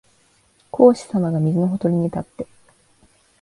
孔子さまが水のほとりに立って、